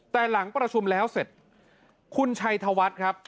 แต่หลังประชุมแล้วเสร็จคุณชัยธวัฒน์ครับ